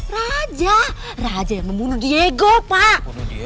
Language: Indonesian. raja raja yang membunuh diego pak